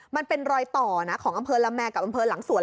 มันเป็นรอยต่อนะของอำเภอละแมกับอำเภอหลังสวน